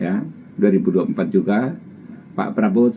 bahkan berkontestasi dengan ibu mega ya